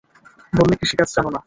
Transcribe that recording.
বললে, কৃষিকাজ জানো না।